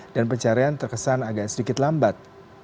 dan pencarian terkesan agak sedikit lambat